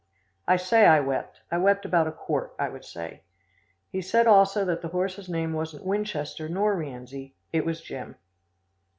I say I wept. I wept about a quart, I would say. He said also that the horse's name wasn't Winchester nor Rienzi; it was Jim.